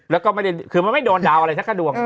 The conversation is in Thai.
แล้วก็ไม่ได้คือมันไม่โดนดาวอะไรสักกระดวง